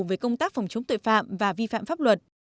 về công tác phòng chống tội phạm và vi phạm pháp luật